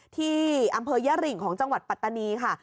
ที่อำเภอยะริงของจังหวัดปัตตานีค่ะ